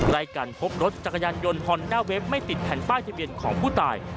ใกล้กันพบรถจักรยานยนต์ฮอนด้าเวฟไม่ติดแผ่นป้ายทะเบียนของผู้ตาย